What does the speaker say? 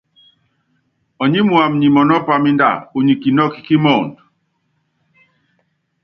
Ɔními wam nyi mɔnɔ́ pámínda, unyi kinɔ́kɔ kí muundɔ.